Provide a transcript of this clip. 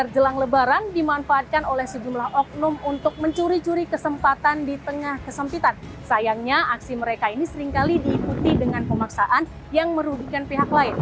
jangan lupa like share dan subscribe channel ini